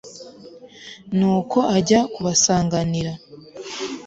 nuko ajya kubasanganira